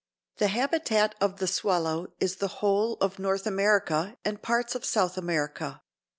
The habitat of the swallow is the whole of North America and parts of South America.